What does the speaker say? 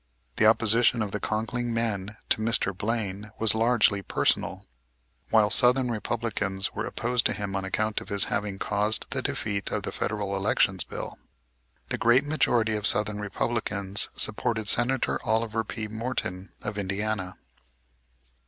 The opposition of the Conkling men to Mr. Blaine was largely personal; while southern Republicans were opposed to him on account of his having caused the defeat of the Federal Elections Bill. The great majority of southern Republicans supported Senator Oliver P. Morton of Indiana.